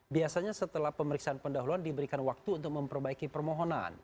biasanya setelah pemeriksaan pendahuluan diberikan waktu untuk memperbaiki permohonan